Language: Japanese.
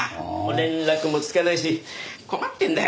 連絡もつかないし困ってるんだよ。